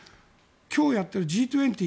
今日やっているＧ２０